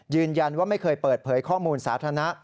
ยืนยันว่าไม่เคยเปิดเผยข้อมูลสาธารณะ